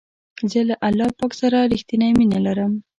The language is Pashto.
زه له الله پاک سره رښتنی مینه لرم.